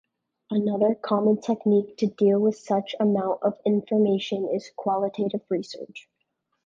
Another common technique to deal with such amount of information is qualitative research.